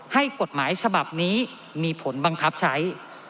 ให้กฎหมายฉบับนี้มีผลบังคับใช้